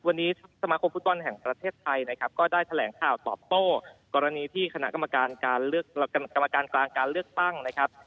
วันนี้สมาคมฟุตบอลแห่งประเทศไทยนะครับก็ได้แถลงข่าวตอบโต้กรณีที่คณะกรรมการการเลือกกรรมการกลางการเลือกตั้งนะครับ